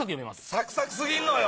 サクサク過ぎんのよ。